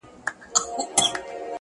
o ستا وه ديدن ته هواداره يمه.